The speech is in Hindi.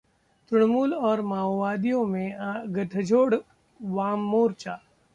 तृणमूल और माओवादियों में गठजोड़: वाम मोर्चा